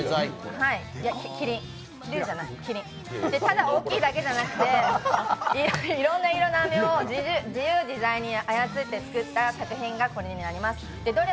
ただ大きいだけじゃなくて、いろんな色のあめを自由自在に操って作った作品が、これになります。